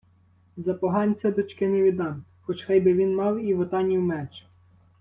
— За поганця дочки не віддам, хоч хай би він мав і Вотанів меч.